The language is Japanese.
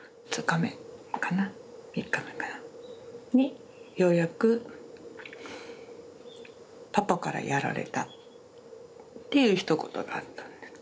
３日目かなにようやく「パパからやられた」っていうひと言があったんです。